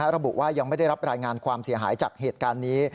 ระบุว่ายังไม่ได้รับรายงานความเสียหายจากเหตุการณ์นี้